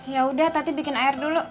yaudah tadi bikin air dulu